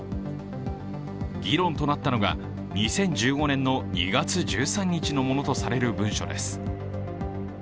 議論となったのが２０１５年の２月１３日のものとされる文書です。